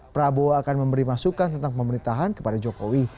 prabowo akan memberi masukan tentang pemerintahan kepada jokowi